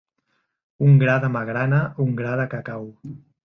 Un gra de magrana, un gra de cacau.